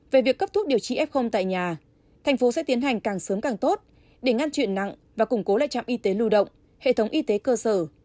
về việc cấp thuốc điều trị f tại nhà thành phố sẽ tiến hành càng sớm càng tốt để ngăn chuyện nặng và củng cố lại trạm y tế lưu động hệ thống y tế cơ sở